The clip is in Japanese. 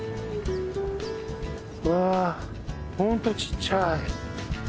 うわ本当ちっちゃい。